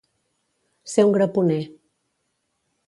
Ser un graponer.